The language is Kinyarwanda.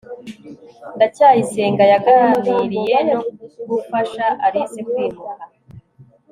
ndacyayisenga yaganiriye no gufasha alice kwimuka